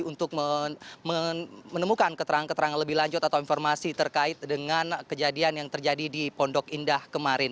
untuk menemukan keterangan keterangan lebih lanjut atau informasi terkait dengan kejadian yang terjadi di pondok indah kemarin